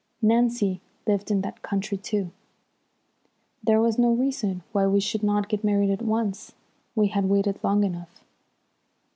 Nancy lived in that country, too. There was no reason why we should not get married at once. We had waited long enough.